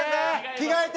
着替えて！